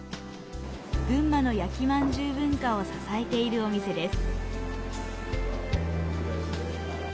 群馬の焼きまんじゅう文化を支えているお店です。